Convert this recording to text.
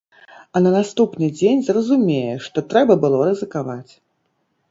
А на наступны дзень зразумее, што трэба было рызыкаваць!